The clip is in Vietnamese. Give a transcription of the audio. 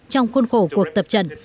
trong khuôn khổ cuộc tập trận